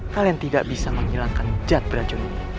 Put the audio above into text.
kalian tidak bisa menghilangkan jad beracun ini